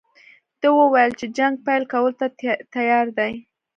ده وویل چې جنګ پیل کولو ته تیار دی.